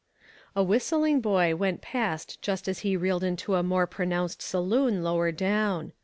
A whistling boy went past just as he reeled into a more pronounced saloon lower down.